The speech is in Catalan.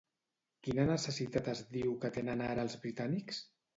Quina necessitat es diu que tenen ara els britànics?